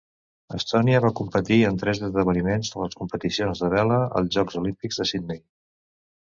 Estònia va competir en tres esdeveniments de les competicions de vela als Jocs Olímpics de Sydney.